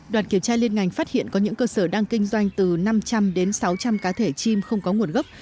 đoàn kiểm tra liên ngành phát hiện có những cơ sở đang kinh doanh từ năm trăm linh đến sáu trăm linh cá thể chim không có nguồn gốc